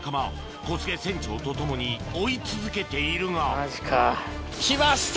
小菅船長と共に追い続けているが来ました！